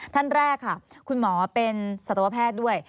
ท่านแรกค่ะคุณหมอเป็นสัตวแพทย์ด้วย